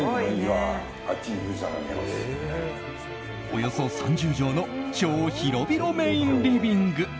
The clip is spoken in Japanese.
およそ３０畳の超広々メインリビング。